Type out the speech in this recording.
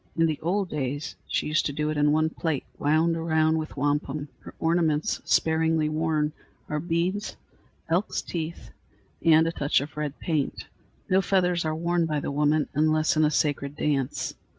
In the old days she used to do it in one plait wound around with wampum. Her ornaments, sparingly worn, are beads, elks' teeth, and a touch of red paint. No feathers are worn by the woman, unless in a sacred dance.